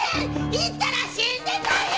行ったら死んでたんや！